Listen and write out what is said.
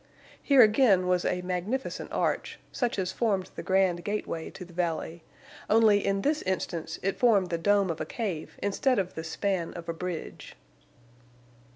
Here again was a magnificent arch, such as formed the grand gateway to the valley, only in this instance it formed the dome of a cave instead of the span of a bridge.